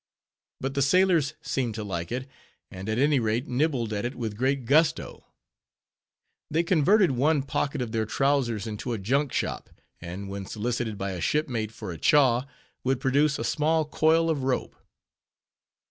But the sailors seemed to like it, and at any rate nibbled at it with great gusto. They converted one pocket of their trowsers into a junk shop, and when solicited by a shipmate for a "chaw," would produce a small coil of rope.